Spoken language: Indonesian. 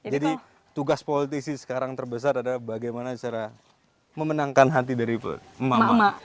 jadi tugas politisi sekarang terbesar adalah bagaimana cara memenangkan hati dari emak emak